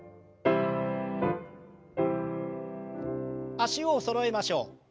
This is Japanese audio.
脚をそろえましょう。